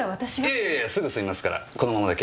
いえいえすぐ済みますからこのままで結構ですよ。